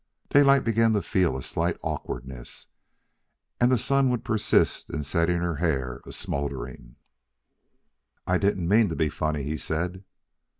Daylight began to feel a slight awkwardness, and the sun would persist in setting her hair a smouldering. "I didn't mean to be funny," he said.